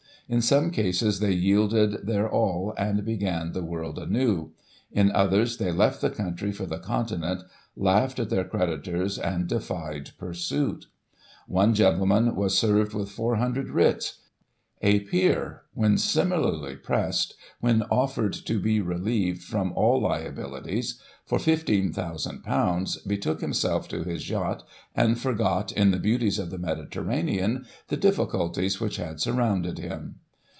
In some cases, they yielded their all, and began the world anew ; in others, they left the country for the continent, laughed at their creditors, and defied pursuit One gentleman was served with four hundred writs ; a peer, when similarly pressed, when offered to be relieved from all liabilities for ;£" 15,000, betook himself to his yacht, and forgot, in the beauties of the Mediterrcinean, the difficulties which had surrounded him.